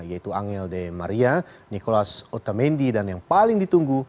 yaitu angel de maria nicolas otamendi dan yang paling ditunggu